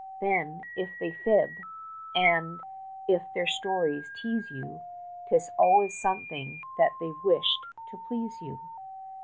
Then, if they fib, and if their stories tease you, 'Tis always something that they've wished to please you!